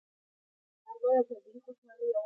غرمه د طبیعي خوشحالۍ یو حالت دی